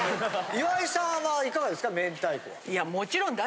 岩井さんはいかがですか明太子。